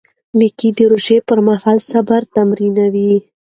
میکا د روژې پر مهال صبر تمرینوي.